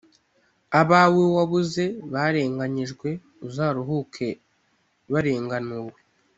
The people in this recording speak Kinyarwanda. abawe wabuze barenganyijwe uzaruhuke barenganuwe